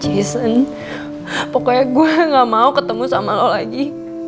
jason pokoknya gue gak mau ketemu sama lo lagi